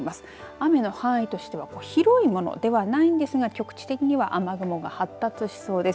雨の範囲としては広いものではないんですが局地的には雨雲が発達しそうです。